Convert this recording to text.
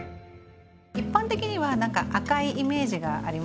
一般的には何か赤いイメージがありますよね。